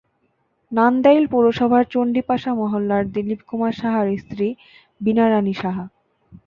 নান্দাইল পৌরসভার চণ্ডীপাশা মহল্লার দিলীপ কুমার সাহার স্ত্রী বীণা রানি সাহা।